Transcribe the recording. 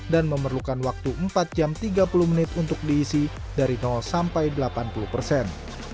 dan memerlukan waktu empat jam tiga puluh menit untuk diisi dari sampai delapan puluh persen